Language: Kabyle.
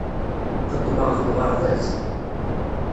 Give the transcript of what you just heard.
Xeddmeɣ deg uɣerbaz.